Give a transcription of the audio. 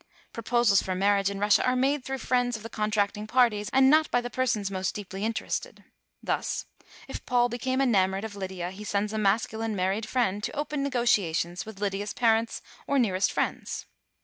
Proposals for marriage in Russia are made through friends of the contracting parties, and not by the persons most deeply interested. Thus, if Paul becomes enamored of Lydia, he sends a masculine married friend to open negotia tions with Lydia's parents or nearest friends.